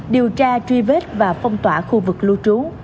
tuy vết và phong tỏa khu vực lưu trú